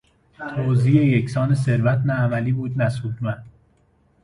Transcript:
توزیع یکسان ثروت نه عملی بود نه سودمند.